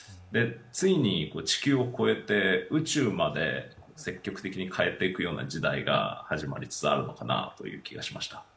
ついに地球を越えて宇宙まで積極的に変えていくような時代が始まりつつあるんだなという気がしました。